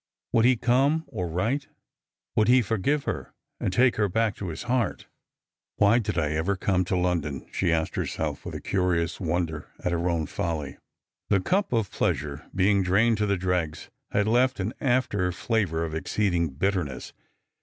Would he come or write ? Would he forgive her, and take her back to his heart P " Why did I ever come to London ?" she asked herself, with a curious wonder at her own folly. The cup of pleasure, being drained to the dregs, had left an after flavour of exceeding bitterness.